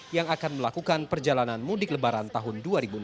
yang akan melakukan perjalanan mudik lebaran tahun dua ribu enam belas